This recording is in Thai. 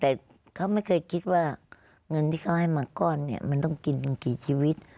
แต่เขาไม่เคยคิดว่าเงินที่เขาให้มาก้อนเนี่ยมันต้องกินเป็นกี่ชีวิต